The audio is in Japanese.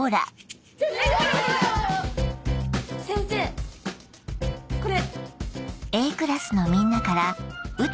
先生これ。